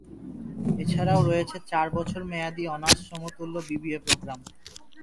এছাড়াও রয়েছে চার বছর মেয়াদি অনার্স সমতুল্য বিবিএ প্রোগ্রাম।